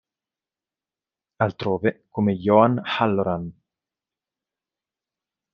Altrove, come Joan Halloran.